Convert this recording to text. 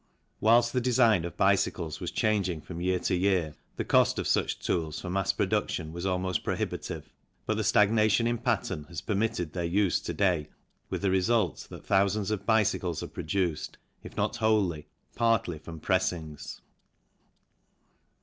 While the design of bicycles was changing from year to year, the cost of such tools for mass production was almost prohibitive, but the stagnation in pattern has permitted their use to day with the result that thousands of bicycles are produced, if not wholly, partly from pressings.